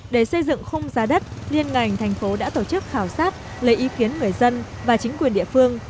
để xây dựng khung giá đất liên ngành thành phố đã tổ chức khảo sát lấy ý kiến người dân và chính quyền địa phương